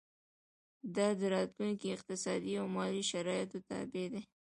دا د راتلونکو اقتصادي او مالي شرایطو تابع دي.